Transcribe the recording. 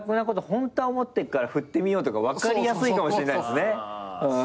ホントは思ってっから振ってみようとか分かりやすいかもしれないですね。